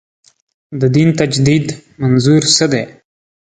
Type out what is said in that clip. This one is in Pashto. د دین تجدید منظور څه دی.